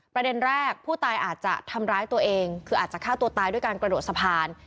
ประเด็นแรกผู้ตายอาจจะทำร้ายตัวเองคืออาจจะฆ่าตัวตายด้วยการกระโดดสะพาน